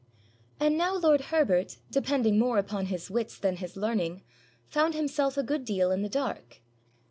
And now lord Herbert, depending more upon his wits than his learning, found himself a good deal in the dark.